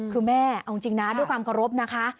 คือแม่เอาจริงนะด้วยความเคารพนะคะ